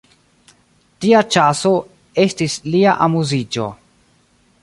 Tia ĉaso estis lia amuziĝo.